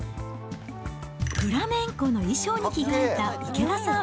フラメンコの衣装に着替えた池田さん。